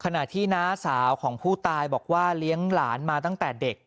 ขณะที่น้าสาวของผู้ตายบอกว่าเลี้ยงหลานมาตั้งแต่เด็ก